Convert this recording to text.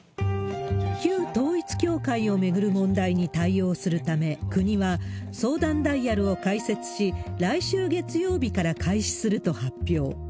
旧統一教会を巡る問題に対応するため、国は、相談ダイヤルを開設し、来週月曜日から開始すると発表。